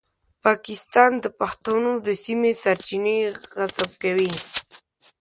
پاکستان د پښتنو د سیمې سرچینې غصب کوي.